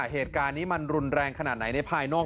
เหตุการณ์นี้มันรุนแรงขนาดไหนในภายนอก